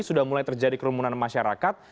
sudah mulai terjadi kerumunan masyarakat